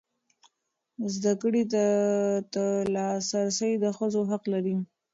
زده کړې ته لاسرسی د ښځو حق دی.